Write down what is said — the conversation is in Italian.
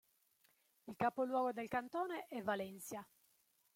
Il capoluogo del cantone è Valencia.